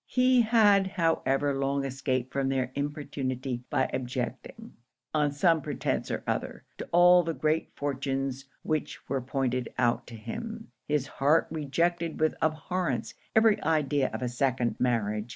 'He had however long escaped from their importunity by objecting, on some pretence or other, to all the great fortunes which were pointed out to him his heart rejected with abhorrence every idea of a second marriage.